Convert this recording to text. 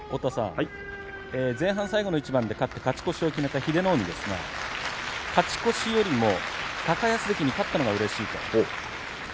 前半最後の一番で勝ち越しを決めた英乃海ですが勝ち越しよりも高安関に勝ったのがうれしいと話していました。